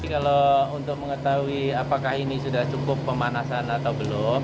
kalau untuk mengetahui apakah ini sudah cukup pemanasan atau belum